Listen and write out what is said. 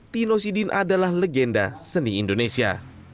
tino sidin adalah legenda seni indonesia